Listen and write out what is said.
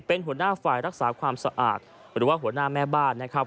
เป็นหัวหน้าฝ่ายรักษาความสะอาดหรือว่าหัวหน้าแม่บ้านนะครับ